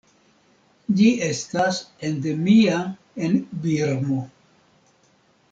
Ĝi estas endemia en Birmo.